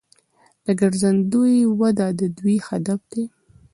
د ګرځندوی وده د دوی هدف دی.